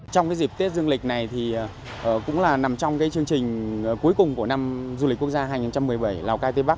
trong dịp tết dương lịch này thì cũng là nằm trong chương trình cuối cùng của năm du lịch quốc gia hai nghìn một mươi bảy lào cai tây bắc